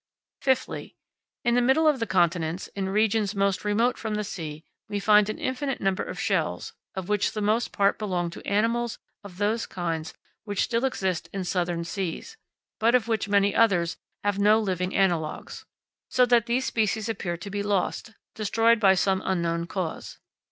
Fifthly, in the middle of the continents, in regions most remote from the sea, we find an infinite number of shells, of which the most part belong to animals of those kinds which still exist in southern seas, but of which many others have no living analogues; so that these species appear to be lost, destroyed by some unknown cause.